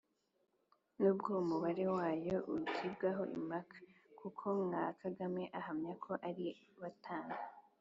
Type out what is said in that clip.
n'ubwo umubare wayo ugibwaho impaka, kuko nka Kagame ahamya ko ari batanu.